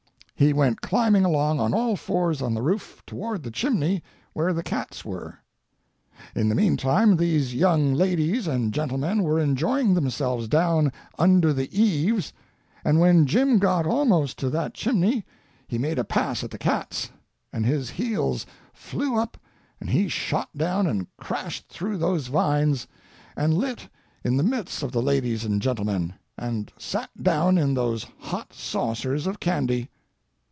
He went climbing along on all fours on the roof toward the chimney where the cats were. In the mean time these young ladies and gentlemen were enjoying themselves down under the eaves, and when Jim got almost to that chimney he made a pass at the cats, and his heels flew up and he shot down and crashed through those vines, and lit in the midst of the ladies and gentlemen, and sat down in those hot saucers of candy.